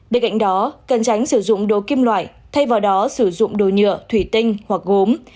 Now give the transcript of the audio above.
bên cạnh đó cần tránh sử dụng đồ kim loại thay vào đó sử dụng đồ nhựa thủy tinh hoặc gốm